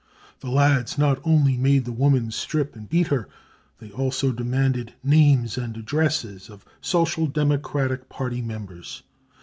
The lads not only made the woman strip and beat her, they also demanded names and addresses of Social Democratic Party members.